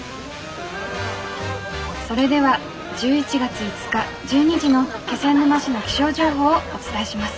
「それでは１１月５日１２時の気仙沼市の気象情報をお伝えします。